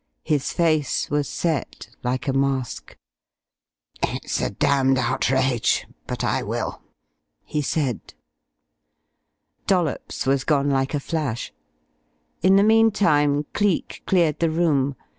His face was set like a mask. "It's a damned outrage, but I will," he said. Dollops was gone like a flash. In the meantime Cleek cleared the room.